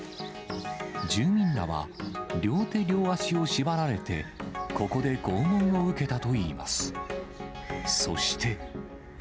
住民らは、両手両足を縛られて、ここで拷問を受けたといいます。